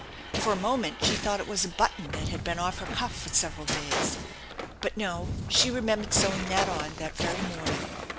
For a moment she thought it was a button that had been off her cuff for several days., But no, she remembered sewing that on that very morning.